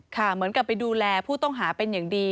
เหมือนกับไปดูแลผู้ต้องหาเป็นอย่างดี